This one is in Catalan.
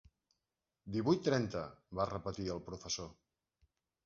Divuit trenta, va repetir el professor.